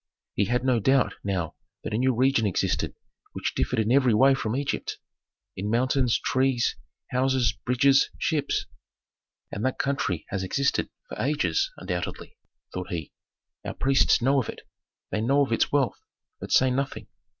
He had no doubt now that a new region existed which differed in every way from Egypt: in mountains, trees, houses, bridges, ships. "And that country has existed for ages undoubtedly," thought he; "our priests know of it, they know of its wealth, but say nothing.